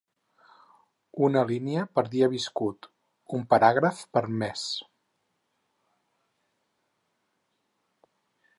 Una línia per dia viscut, un paràgraf per mes.